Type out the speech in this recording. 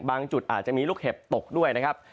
จุดอาจจะมีลูกเห็บตกด้วยนะครับ